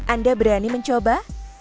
anda berani mencoba